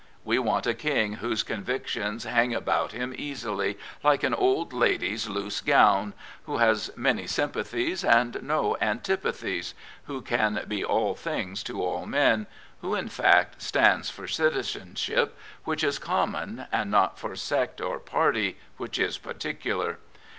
We want a King whose convictions hang about him easily, " like an old lady's loose gown," who has many sympathies and no antipathies, who can be all things to all men, who, ip fact| stands for citizenship, which is common, and not for sect or party, which is particular.